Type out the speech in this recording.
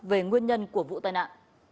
về nguyên nhân của vụ tai nạn